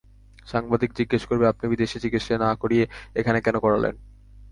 সাংবাদিক জিজ্ঞেস করবে, আপনি বিদেশে চিকিৎসা না করিয়ে এখানে কেন করালেন?